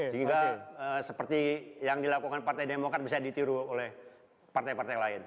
sehingga seperti yang dilakukan partai demokrat bisa ditiru oleh partai partai lain